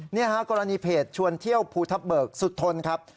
นี่ฮะกรณีเพจชวนเที่ยวภูทับเบิกสุดทนครับ